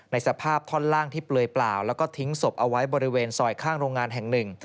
สภาพท่อนล่างที่เปลือยเปล่าแล้วก็ทิ้งศพเอาไว้บริเวณซอยข้างโรงงานแห่งหนึ่ง